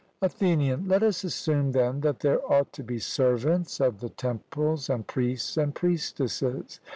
ATHENIAN: Let us assume, then, that there ought to be servants of the temples, and priests and priestesses.